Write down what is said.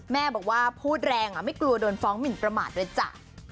แม่บอกว่าพูดแรงไม่กลัวโดนฟ้องหมินประมาทด้วยจ้ะ